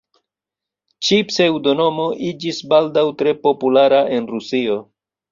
Ĉi-pseŭdonomo iĝis baldaŭ tre populara en Rusio.